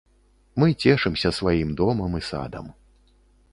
Мы цешымся сваім домам і садам.